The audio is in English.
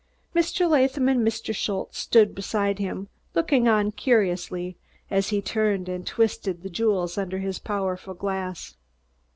Mr. Latham and Mr. Schultze stood beside him, looking on curiously as he turned and twisted the jewels under his powerful glass.